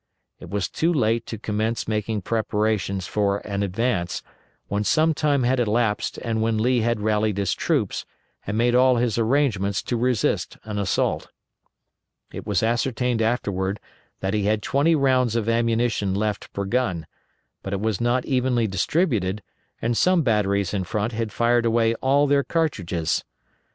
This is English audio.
It was too late to commence making preparations for an advance when some time had elapsed and when Lee had rallied his troops and had made all his arrangements to resist an assault. It was ascertained afterward that he had twenty rounds of ammunition left per gun, but it was not evenly distributed and some batteries in front had fired away all their cartridges.